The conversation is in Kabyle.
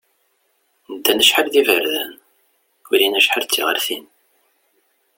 Ddan acḥal deg yiberdan, ulin acḥal d tiɣalin.